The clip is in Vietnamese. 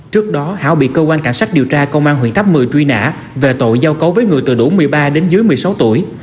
trước đó hảo bị cơ quan cảnh sát điều tra công an huyện tháp một mươi truy nã về tội giao cấu với người từ đủ một mươi ba đến dưới một mươi sáu tuổi